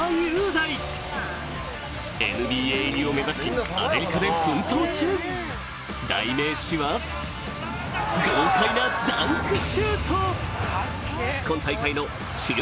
ＮＢＡ入りを目指しアメリカで奮闘中代名詞は豪快な今大会の主力